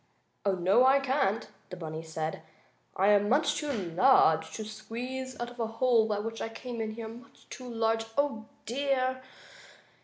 "Oh, no, I can't!" the bunny said. "I am much too large to squeeze out of the hole by which I came in here. Much too large. Oh, dear!"